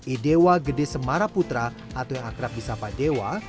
idewa gedis semaraputra atau yang akrab bisapa dewa